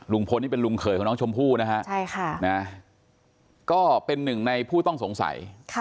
ลุงพลนี่เป็นลุงเขยของน้องชมพู่นะฮะก็เป็นหนึ่งในผู้ต้องสงสัย